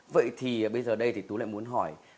vậy thì bây giờ đây thì tú lại muốn hỏi